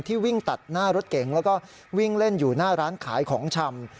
วิ่งตัดหน้ารถเก๋งแล้วก็วิ่งเล่นอยู่หน้าร้านขายของชำ